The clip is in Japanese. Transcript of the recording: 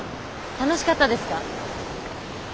楽しかったですか？